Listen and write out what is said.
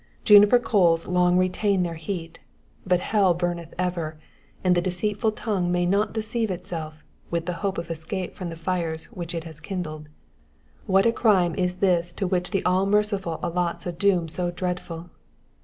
Juniper coals long retain their heat, but hell burneth ever, and the deceitful tongue may not deceive itself with the hope of escape from the fire which it has kindled. What a crime is this to which the All merciful allots a doom so dreadful